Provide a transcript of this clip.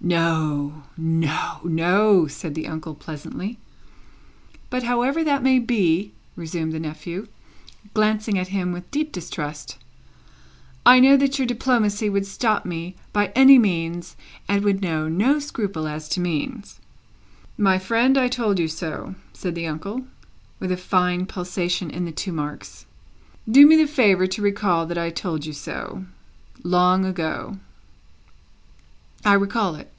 "No, no, no," said the uncle, pleasantly. "But, however that may be," resumed the nephew, glancing at him with deep distrust, "I know that your diplomacy would stop me by any means, and would know no scruple as to means." "My friend, I told you so," said the uncle, with a fine pulsation in the two marks. "Do me the favour to recall that I told you so, long ago." "I recall it."